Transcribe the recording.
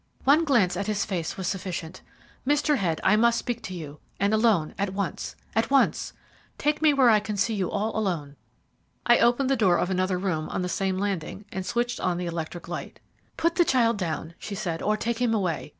"One glance at his face was sufficient. Mr. Head, I must speak to you, and alone, at once at once! Take me where I can see you all alone." I opened the door of another room on the same landing, and switched on the electric light. "Put the child down," she said, "or take him away.